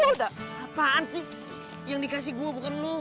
udah apaan sih yang dikasih gue bukan lo